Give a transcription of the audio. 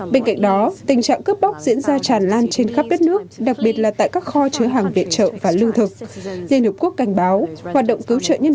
bên cạnh đó tình trạng cướp bóc diễn ra tràn lan trên khắp đất nước đặc biệt là tại các kho chứa hàng viện trợ và lưu thực